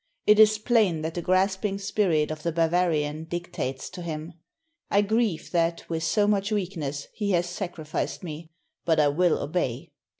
It is plain that the grasping spirit of the Bavarian dictates to him. I grieve that, with so much weakness, he has sacrificed me, but I will obey."